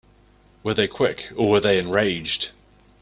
Were they quick or were they enraged?